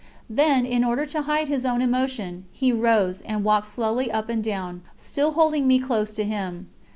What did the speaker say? Then, in order to hide his own emotion, he rose and walked slowly up and down, still holding me close to him.